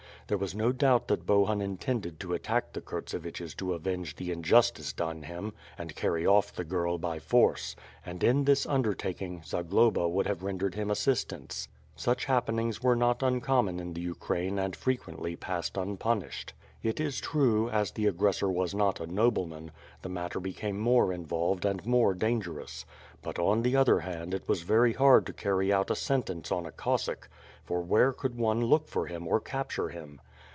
There was no doubt that Bohun intended to attack the Kurtseviches to avenge the injustice done him, and carry ott' the girl by force, and, in this undertaking, Zagloba would have rendered him assist ance. Such happenings were not uncommon in the Ukraine and frequently passed unpunished. It is true, as the aggres sor was not a nobleman, the matter became more involved and more dangerous; but oh the other hand it was very hard to carry out a sentence on a Cossack, for where could one look for him or capture him?